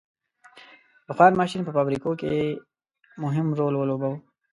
• بخار ماشین په فابریکو کې مهم رول ولوباوه.